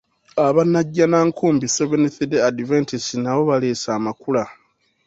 Aba Najjanankumbi Seventh Day Adventist nabo baaleese amakula.